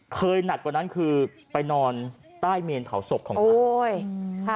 หนักกว่านั้นคือไปนอนใต้เมนเผาศพของเขา